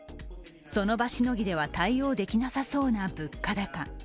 その場しのぎでは対応できなさそうな物価高。